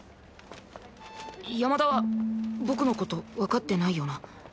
山田は僕の事わかってないよな。